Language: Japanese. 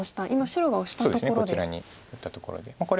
今白がオシたところです。